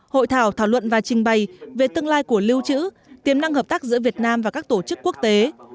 hội thảo thảo luận và trình bày về tương lai của lưu trữ tiềm năng hợp tác giữa việt nam và các tổ chức quốc tế